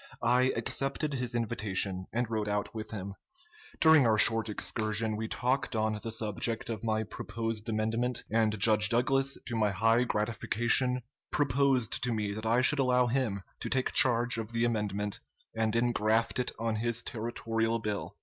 I accepted his invitation, and rode out with him. During our short excursion we talked on the subject of my proposed amendment, and Judge Douglas, to my high gratification, proposed to me that I should allow him to take charge of the amendment and ingraft it on his territorial bill.